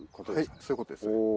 はいそういうことです。